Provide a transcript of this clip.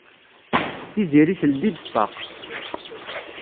Tiziri teldi-d ṭṭaq.